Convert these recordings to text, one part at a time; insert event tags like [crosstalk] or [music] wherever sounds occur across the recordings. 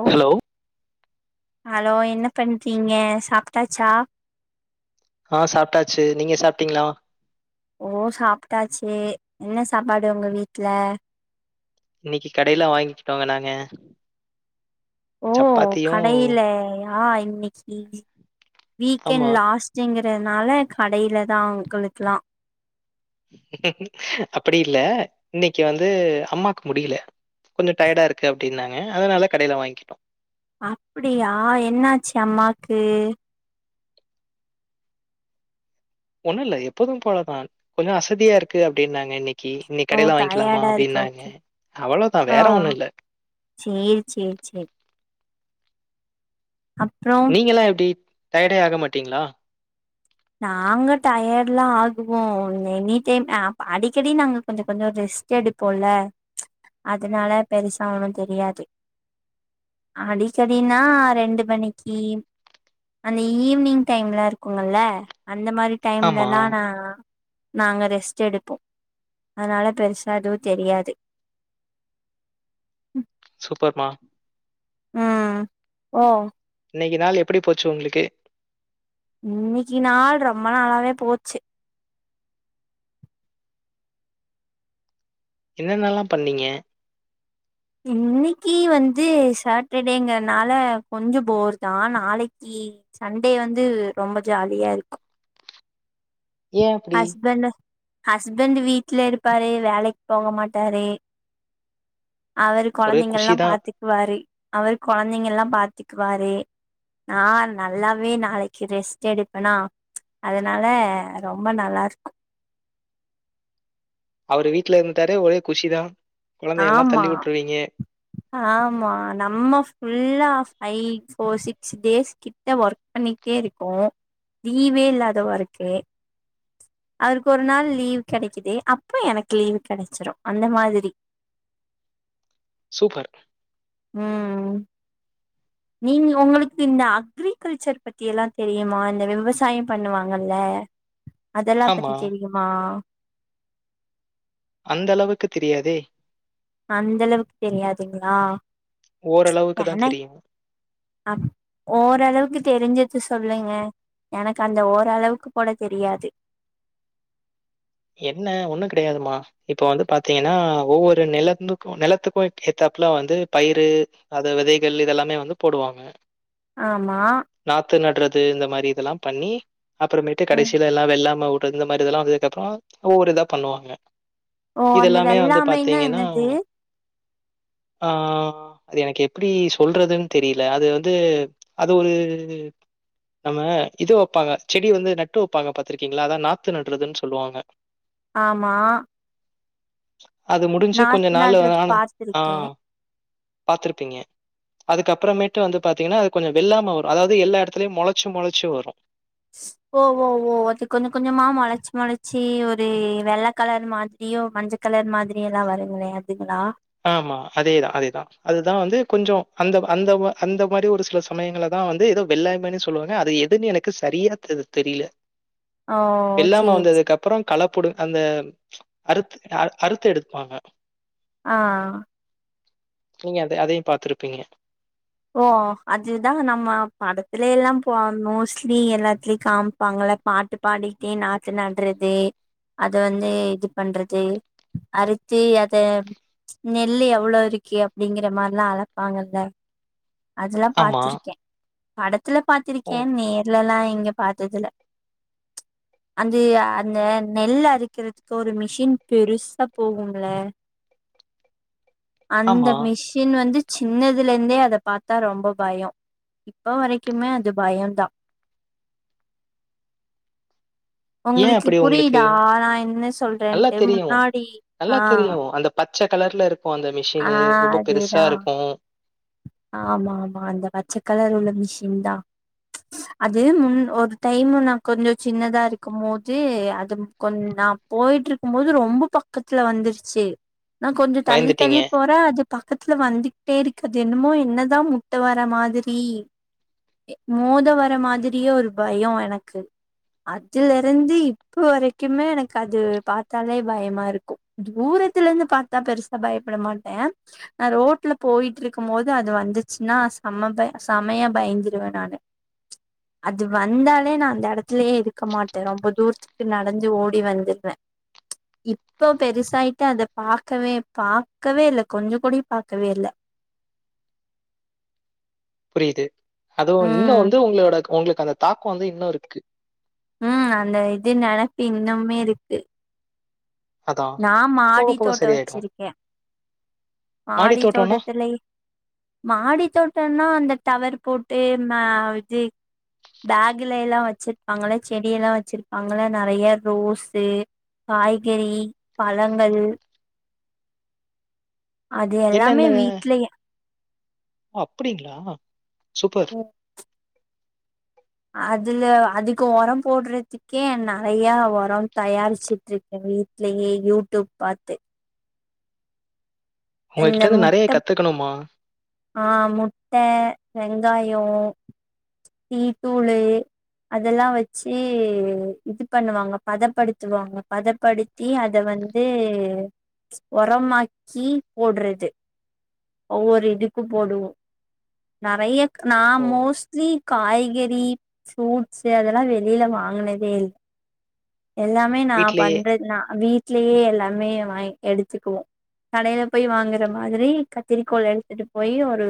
ஓ hello hello என்ன பண்றீங்க சாப்ட்டாச்சா அ சாப்டாச்சு நீங்க சாப்டீங்களா ஓ சாப்ட்டாச்சு என்ன சாப்பாடு உங்க வீட்ல இன்னைக்கு கடையில வாங்கிக்கிட்டோங்க நாங்க சப்பாத்தியு அ இன்னக்கி வீக்கெண்ட் ஆமா. லாஸ்ட்ங்கிற இதனால கடையில தா உங்களுக்கெல்லா அப்படி இல்ல இன்னைக்கு வந்து அம்மாக்கு முடியல கொஞ்ச டயர்டா இருக்கு அப்படின்னாங்க அதனால கடையில வாங்கிக்கிட்டோ அப்படியா என்னாச்சு அம்மாக்கு ஒன்னு இல்ல எப்போது போலதான் கொஞ்ச அசதியா இருக்கு அப்படின்னாங்க இன்னைக் க்கி இன்னைக்கு ஓ கடைல வாங்கிக்லாமா டயர்டா இருக்கு அப்படின்னாங்க ஓகே அவ்ளோதா ஆ வேற ஒன்னு இல்ல சேரி சேரி சேரி அப்றோ நீங்களா எப்டி டயர்டே ஆக மாட்டிங்ளா நாங்க டயர்ட்லா ஆகுவோ எனி டைம் அடிக்கடி நாங்க கொஞ்ச கொஞ்ச ரெஸ்ட் எடுப்போல அதனால பெருசா ஒன்னு தெரியாது அடிக்கடினா ரெண்டு மணிக்கு அந்த ஈவினிங் டைம்லா இருக்குமல்ல அந்த மாரி ஆமா. டைம்லலா நா நாங்க ரெஸ்ட் எடுப்போ அதனால பெருசா எதுவு தெரியாது சூப்பர்மா ம் ஓ இன்னைக்கு நாள் எப்புடி போச்சு உங்குளுக்கு இன்னிக்கி நாள் ரொம்ப நல்லாவே போச்சு என்னென்னல்லா பண்ணீங்க இன்னைக்கி வந்து சாட்டர்டேங்கறனால கொஞ்சம் போர் தான் நாளைக்கி சண்டே வந்து ரொம்ப ஜாலியா இருக்கும் ஏன் அப்படி? ஹஸ்பண்ட்டு ஹஸ்பண்ட்டு வீட்ல இருப்பாரு வேலைக் போக மாட்டாரு அவரு ஒரே கொழந்தைங்கள்லா குஷி தான். பாத்துக்குவாரு அவரு குழந்தைங்கள்லா பாத்துக்குவாரு நா நல்லாவே நாளைக்கி ரெஸ்ட் எடுப்பேனா அதனால ரொம்ப நல்லா இருக்கும் அவரு வீட்ல இருந்துட்டாரே ஒரே குஷி தா ஆமா ஆ ஆமா நம்ம ஃபுல்லா ஃபைட்ஸ் ஓர் சிக்ஸ் டேஸ் கிட்ட ஒர்க் பண்ணிக்ட்டே இருக்கோ லீவே இல்லாதவாருக்கு அவருக்கு ஒரு நாள் லீவு கெடைக்கிது அப்போ எனக்கு லீவு கெடைச்சிடும் அந்த மாதுரி சூப்பர் ம் நீங்க உங்களுக்கு இந்த அக்ரிகல்ச்சர் பத்தி எல்லா தெரியுமா இந்த விவசாயம் பண்ணுவாங்கல்ல அதெல்லா பத்தி ஆமா தெரியுமா அந்தளவுக்குத் தெரியாதே அந்தளவுக்கு தெரியாதுங்ளா ஓரளவுக்கு தா எனக் தெரியு அப் ஓரளவுக்கு தெரிஞ்சத் சு சொல்லுங்க எனக்கு அந்த ஓரளவுக்கு போட தெரியாது என்ன ஒண்ணு கிடையாதுமா இப்ப வந்து பாத்தீங்கன்னா ஒவ்வொரு நிலந்துக்கும் நிலத்துக்கு ஏத்தாப்புல வந்து பயிரு அது விதைகள் இதெல்லாமே வந்து போடுவாங்க ஆமா து இந்த மாரி இதெல்லா பண்ணி அப்புறமேட்டு ம் கடைசில எல்லா வெள்ளாம வுட் ட்ருது இந்த மாரி இதல்லா வந்ததுக்கப்புறோ ஒவ்வொரு இதா பண்ணுவாங்க ஓ அந்த இதெல்லாமே வந்து வெள்ளாமைனா பாத்தீங்கன்னா என்னது ஆ அது எனக்கு எப்புடி சொல்றதுன் தெரியில அது வந்து அது ஒரு நம்ம இது வப்பாங்க செடி வந்து நட்டு வப்பாங்க பாத்துருக்கீங்களா அதா நாத்து நட்றதுன் சொல்லுவாங்க ஆமா அது முடிஞ்சு கொஞ்ச நாத்து நாளு அ நட்றது நானு ஆ பாத்திருக்கே பாத்துருப்பீங்க அதுக்க அப்புறமேட்டு வந்து பாத்தீங்கன்னா அது கொஞ்சோ வெல்லாம வரு அதாவது எல்லா எடத்துலயு மொளைச்சு மொளைச்சு வரு ஓ ஓ ஓ அது கொஞ்ச கொஞ்சமா மொளச்சு மொளச்சி ஒரு வெள்ள கலர் மாதிரியு மஞ்சள் கலர் மாதிரிய எல்லா வருங்களே அதுங்களா ஆமா அதேதா அதேதா அதுதா வந்து கொஞ்சோ அந்த அந்த அந்த மாரி ஒரு சில சமயங்களதா வந்து ஏதோ வெள்ளாமன்னு சொல்லுவாங்க அது எதுன்னு எனக்கு சரியா தெரி தெரில ஓ வெள்ளாம சேரி வந்ததுக்கு சேரி அப்புறோ கலப்படு அந்த அறுத்து அ அறுத்து எடுத்ப்பாங்க ஆ நீங்க அத அதையு பாத்துருப்பீங்க ஓ அதுதா நம்ம படத்தலேல்லா போ மோஸ்ட்லி எல்லாத்திலை காம்ப்பாங்ல பாட்டு பாடிட்டே நாத்து நடுறது அத வந்து இது பண்றது அறுத்து அத நெல்லு எவ்ளோ இருக்கு அப்டிங்கற மாரில்லா அளப்பாங்கல்ல அதுலா ஆமா. பாத்துருக்கே படத் துல ஓ! பாத்திருக்கே நேர்ல லா எங் இங்க பாத்ததுல்ல அந்தி அந்த நெல்லு அறுக்குறதுக்கு ஒரு மிஷின் பெருசா போகும்ல அந்த ஆமா. மிஷின் வந்து சின்னதுலருந்தே அத அத பாத்தா ரொம்போ பயோ இப்ப வரைக்குமே அது பயோ தா ஏன் உங்களுக்கு அப்படி உங்களுக்கு? புரியுதா நா என்ன நல்லா சொல்றேன்ட்டு தெரியும். முன்னாடி நல்லா ஆ தெரியும். அந்த பச்ச கலர்ல இருக்கு இருக்கு அந்த ஆ மிஷினு ரொம்ப அதேதா பெருசா இருக்கு ஆமா ஆமா அந்த பச்சக்கலர் உள்ள மிஷின் தா அது முன் ஒரு டைமு நா கொஞ்சோ சின்னதா இருக்கு போது அது கொஞ் நா போயிட்டு இருக்கு போது ரொம்ப பக்கத்துல வந்ருச்சு நா கொஞ்சோ தள்ளி பயந்துட்டீங்க தள்ளி போற அது பக்கத்துல வந்துக்ட்டே இருக் அது என்னமோ என்னதா முட்டு வர மாதிரி மோத வர மாதிரியே ஒரு பயோ எனக்கு அதுல இருந்து இப்போ வரைக்கிமே எனக்கு அது பாத்தாலே பயமா இருக்கு தூரத்துலருந்து பாத்தா பெருசா பயப்பட மாட்டே நா ரோட்ல போயிட்டுருக்கும் மோது அது வந்துச்சுன்னா செம பய செமையா பயந் வே நானு அது வந்தாலே நா அந்த இடத்துலயே இருக்க மாட்டே ரொம்ப தூர்த்துக்கு நடந்து ஓடி வந்துருவே இப்ப பெருசாயிட்டே அத பாக்கவே பாக்கவே இல்ல கொஞ்சோ கூட பாக்கவே இல்ல புரியுது அதுவு இன்னு ம் வந்து உங்களோட உங்களுக்கு அந்த தாக்கோ வந்து இன்னு இருக்கு ம் அந்த இது நினப்பு இன்னுமே இருக்கு அதான் நா போக மாடி போக தோட்டோ சரியாயிடும். வச்சிருக்கே மாடி தோட்டத்துல மாடி தோட்டம்னா அ ந்த டவர் போட்டு இந்த இது பேகுல லா வச்சுருப்பாங்களே செடியெல்லா வச்சுருப்பாங்களே நறையா ரோஸு காய்கறி பழங்கள் அது எல்லாமே வீட்லயே அப்டிங்களா சூப்பர் அதுல அதுக்கு ஒரம் போடுறதுக்கே நறையா ஒரம் தயாரிச்சுட்ருக்கு வீட்லயே யூடியூப் பாத்து இந்த உங்ககிட்ட இருந்து நெறைய முட்டப் கத்துக்கணும்மா. ஆ முட்ட வெங் ங்காயோ டீதூளு அதெல்லா வச்சு இது பண்ணுவாங்க பதப்படுத்துவாங்க பதப்படுத்தி அத வந்து உரமாக்கி போடுறது ஒவ்வொரு இதுக்கு போடுவோ நறையா நா ஓ! மோஸ்ட்லி காய் காய்கறி ஃப்ரூட்ஸ்ஸு அதெல்லா வெளில வாங்குனதே இல்ல எல்லாமே நா‌ வீட்லயே பண்றது நா வீட் வீட்லயே எல்லாமே வாங் எடுத்துக்குவோ கடயில போய் வாங்குற மாதிரி கத்திரிக்கோள் எடுத்துட்டு போய் ஒரு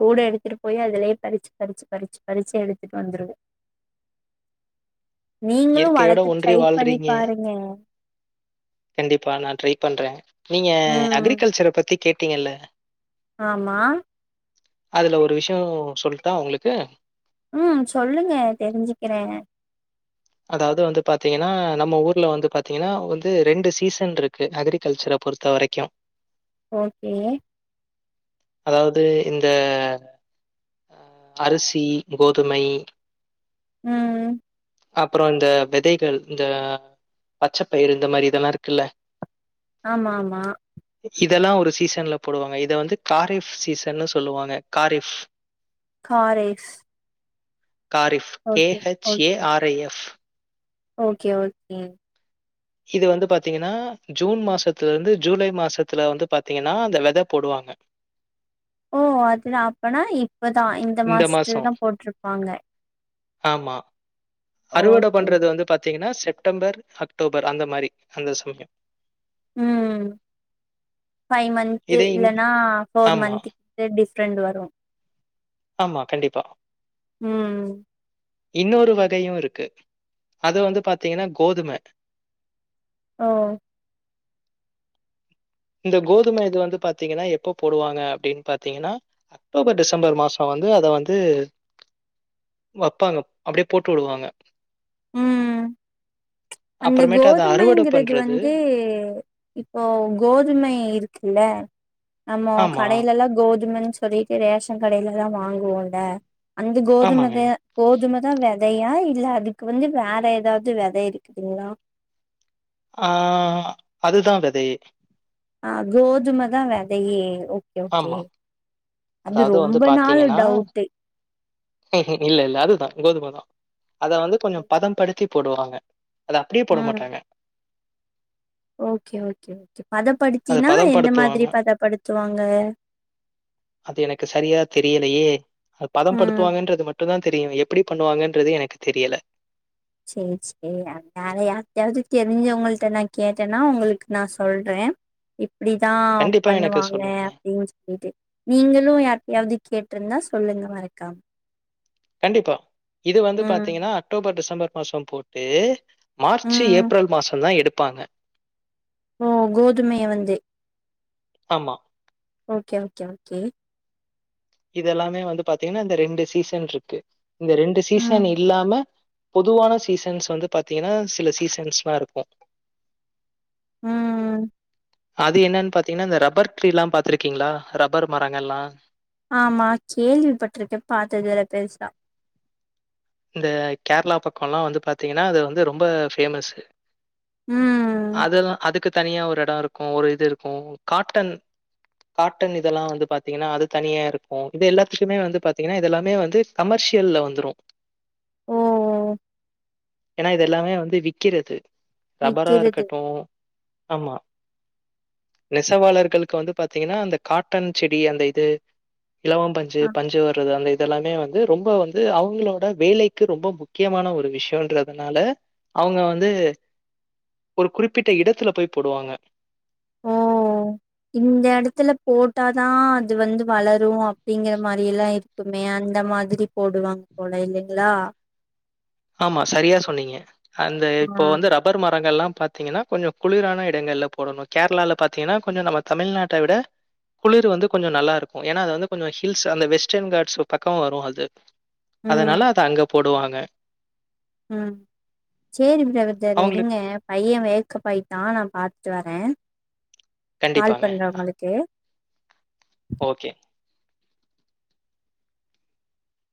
கூட எடுத்துட்டு போய் அதுலயே பறிச்சு பறிச்சு பறிச்சு பறிச்சு எடுத்துட்டு வந்துருவோ நீங்களு இயற்கையோட வளத்து ஒன்றி ட்ரை பண்ணி வாழ்றீங்க பாருங்க கண்டிப்பா நா ட்ரை பண்றே நீங்க ம் அக்ரிகல்ச்சர பத்தி கேட் டீங்கல்ல ஆமா அதுல ஒரு விஷயோ சொல்ட்டா உங்குளுக்கு ம் சொல்லுங்க தெரிஞ்சுக்குறே அதாவுது வந்து பாத்தீங்கனா நம்ம ஊர்ல வந்து பாத்தீங்கனா வந்து ரெண்டு சீசன்ட்ருக்கு அக்ரிகல்ச்சர பொறுத்த வரைக்கு ஓகே அதாவது இந்த அ அரிசி கோதுமை உம் அப்றோ அந்த விதைகள் இந்த பச்சப்பயிர் இந்த மாரி இதெல்லா இருக்குல ஆமாமா இதெல்லா ஒரு சீசன்ல போடுவாங்க இத வந்து காரிஃப் சீசன்னு சொல்லுவாங்க காரிஃப் காரேஸ் kharif K H A okay R okay okay இது வந்து பாத்தீங்கனா ஜூன் மாசத்துல இருந்து ஜூலை மாசத்துல வந்து பாத்தீங்கனா அந்த வெத போடுவாங்க ‌ ஓ அதுல அப்பனா இப் இப்பதா ‌இந்த இந்த மாசத்துல மாசம். தா போட்ருப்பாங்க ஆமா அறுவட ஓகே பண்றது வந்து பாத்தீங்கனா செப்டம்பர் அக்டோபர் அந்த மாரி அந்த சமயம் உம் ஃபைவ் மந்த்த் இதே இன் இல்லன்னா போர் ஆமா, மந்த் ஃப்ரெண்டு வரு ஆமா கண்டிப்பா உம் இன்னொரு வகையு இருக்கு அது வந்து பாத்தீங்கன்னா கோதும ஓ இந்த கோதுமை இது வந்து பாத்தீங்கன்னா எப்ப போடுவாங்க அப்டின்னு பாத்தீங்கன்னா அக்டோபர் டிசம்பர் மாசம் வந்து அத வந்து வப்பாங்க அப்டியே போட்டு விடுவாங்க உம் அந்த அப்புறமேட்டு அத அறுவடை கோதுமைங்கிறது பண்றது வந்து இப்போ கோது துமை இருக்குல்ல ஆமா கடையிலெல்லா கோதும சொல்லிட்டு ரேஷன் கடையில தா வாங் குவோல அந்த ஆமாங்க கோதுமத கோதும தா வெதையா இல்ல அதுக்கு வந்து வேற எதாவ்து வெத இருக் ங்களா ஆஹ் அதுதா வெதையே ஆஹ் கோதுமைதா வெதையே ஓக் கே ஓகே ஆமா அது அதாவது வந்து ரொம்ப நாள் பாத்தீங்கன்னா டவுட்டு இல்ல இல்ல அதுதா கோதுமை தா அத வந்து கொஞ்சோ பதம் படுத்தி போடுவாங்க அத அப்டியே போட ம் மாட்டாங்க ஓகே ஓகே ஓகே அதை பதப்படுத்தினா பதம் எந்த மாதிரி படுத்துவாங்க பதப்படுத்துவாங்க யே அது பதம் படுத் ம் ங்கன்றது மட்டுதா தெரியு எப்டி பண்ணுவாங்கன்றது எனக்கு தெரியல சேரி சேரி வேற யாருடையாவது தெரிஞ்சவங்கள்டிட்ட நா கேட்டேன்னா உங்களுக்கு நா சொல்ற இப் அப்டிதா கண்டிப்பா எனக்கு பண்ணுவாங்க சொல்லுங்க அப்டின்னு சொல்லிட்டு நீங்களும் யார்டையாவது கேட்டு இருந்தா சொல்லுங்க மறக்காம கண்டிப்பா இது வந்து ம் பாத்தீங்கன்னா அக்டோபர் டிசம்பர் மாசம் போட்டு மார்ச் ம் ஏப்ரல் மாசம் தா எடுப் பப்பாங்க ஓ கோதுமைய வந்து ஆமா ஓகே ஓகே ஓகே இதெல்லாமே வந்து பாத்தீங்கன்னா இந்த ரெண்டு சீசன் இருக்கு இந்த ரெண்டு சீசன் ம் இல்லாம பொதுவான சீசன்ஸ் வந்து பாத்தீங்கன்னா சில சீசன்ஸ்லா இருக்கு உம் அது என்னன்னு பாத்தீங்கன்னா இந்த ரப்பர் ட்ரீ எல்லாபாத்துருக்கீங்ளா ரப்பர் மரங்க எல்லா ஆமா கேள்விப்பட்டிருக்கே பாத்ததுல்ல பெருசா இந்த கேரளா பக்கோ எல்லா வந்து பாத்தீங்கன்னா அது வந்து ரொம்ப பேஃமஸ்சு ம் அதுல்ல அதுக்கு தனியா ஒரு எடம் இருக்கு ஒரு இது இருக்கு காட்டன் காட்டன் இதெல்லா வந்து பாத்தீங்கன்னா அது தனியா இருக்கு இது எல்லாத்துக்குமே வந்து பாத்தீங்கன்னா இதெல்லாமே வந்து கமர்ஷியல்ல வந்துடு ஓ இதெல்லாமே வந்து விக்கிறது ரப்பரா விக்கிறது இருக்கட்டு ஆமா நெசவாளர்களுக்கு வந்து பாத்தீங்கன்னா அந்த காட்டன் செடி அந்த இது இளவம் பஞ்சு ஆ பஞ்சு வர்றது அந்த இது இதெல்லாமே வந்து ரொம்ப வந்து அவுங்குளோட வேலைக்கு ரொம்ப முக்கியமான ஒரு விஷயோன்றதுனால அவுங்க வந்து ஒரு குறிப்பிட்ட இடத்துல போய் போடுவாங்க ஓ இந்த எடத்துல போட்டாதா அது வந்து வளரு அப்டிங்கிற மாரி எல்லா இருக்குமே அந்த மாதுரி போடுவாங்க போல இல்லைங்ளா ஆமா சரியா சொன்னீங்க அந்த ஆ. இப்போ வந்து ரப்பர் மரங்கள்ல்லா பாத்தீங்கன்னா கொஞ்ச குளிரான இடங்கள்ல போடணு கேரளால பாத்தீங்கன்னா கொஞ்சம் நம்ம தமிழ்நாட்ட விட குளிர் வந்து கொஞ்ச நல்லா இருக்கு ஏன்னா அது வந்து கொஞ்சம் ஹில்ஸ் அந்த வெஸ்டர்ன் கார்ட்ஸ் பக்கோ வரு அது ம் அதனால அது அங்க போடுவாங் ன ம் சேரி பிரதர் [unintelligible] அவங்களுக்கு இருங்க பைய வேக்கப்பாயிட்டா நா பாத் ட்டு வரே கால் கண்டிப்பாங்க. பண்றே உங்களுக்கு ஓகே.